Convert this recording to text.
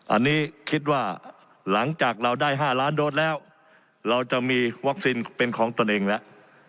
อันนี้คิดว่าหลังจากเราได้๕ล้านโดสแล้วเราจะมีวัคซีนเป็นของตนเองแล้ว